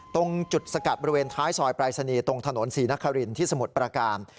ตรงจุดสกัดบริเวณท้ายซอยปรายศนีย์ตรงถนนศรีนครินที่สมุทรประการ